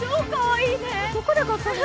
どこで買ったの？